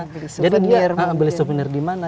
beli souvenir di mana jadi dia memiliki dampaknya